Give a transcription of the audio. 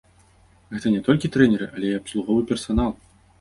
Гэта не толькі трэнеры, але і абслуговы персанал.